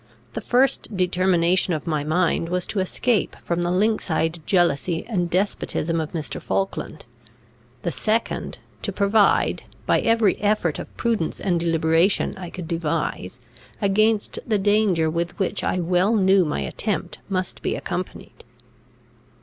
The first determination of my mind was to escape from the lynx eyed jealousy and despotism of Mr. Falkland; the second to provide, by every effort of prudence and deliberation I could devise, against the danger with which I well knew my attempt must be accompanied.